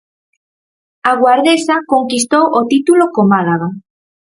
A guardesa conquistou o título co Málaga.